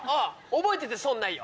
覚えてて損ないよ！